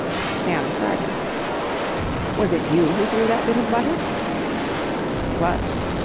Sam started. "Was it you who threw that bit of butter?" "It was."